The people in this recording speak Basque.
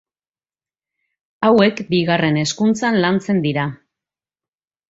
Hauek bigarren hezkuntzan lantzen dira.